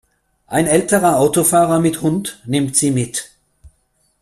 Ein älterer Autofahrer mit Hund nimmt sie mit.